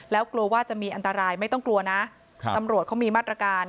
แล้วกลัวว่าจะมีอันตรายไม่ต้องกลัวนะตำรวจเขามีมาตรการ